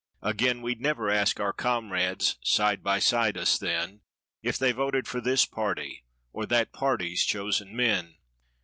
Again, we'd never ask our comrades side by side us then If they voted for this party or that party's chosen men.